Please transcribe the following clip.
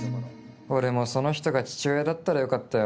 俺もその人が父親だったらよかったよ。